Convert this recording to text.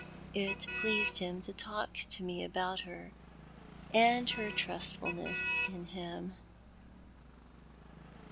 It pleased him to talk to me about her, and her trustfulness in him."